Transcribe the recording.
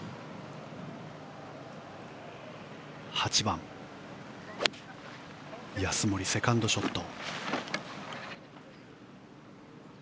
８番、安森、セカンドショット。